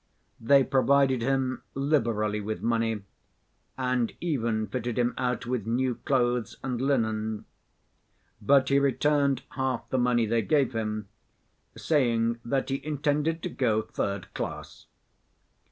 They provided him liberally with money and even fitted him out with new clothes and linen. But he returned half the money they gave him, saying that he intended to go third class.